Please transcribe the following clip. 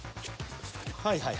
はいはい。